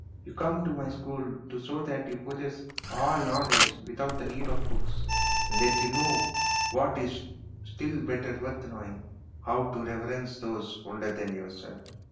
You come to my school to show that you possess all knowledge without the need of books, and that you know what is still better worth knowing how to reverence those older than yourself."